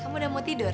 kamu udah mau tidur